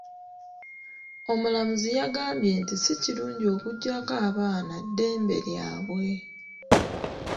Omulamuzi yagambye nti si kirungi okuggyako abaana dembe lyabwe.